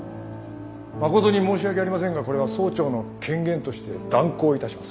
まことに申し訳ありませんがこれは総長の権限として断行いたします。